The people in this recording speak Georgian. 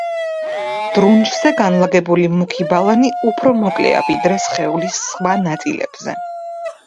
დრუნჩზე განლაგებული მუქი ბალანი უფრო მოკლეა, ვიდრე სხეულის სხვა ნაწილებზე.